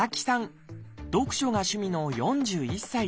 読書が趣味の４１歳です。